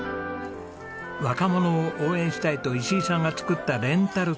若者を応援したいと石井さんが作ったレンタルスペース。